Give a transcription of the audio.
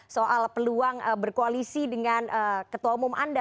soal peluang berkoalisi dengan ketua umum anda